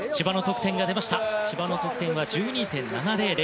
千葉の得点１２．７００。